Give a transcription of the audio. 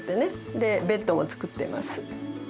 でベッドも作ってます。